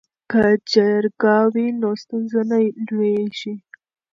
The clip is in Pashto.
که جرګه وي نو ستونزه نه لویږي.